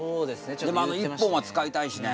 でもあの「一本」は使いたいしね。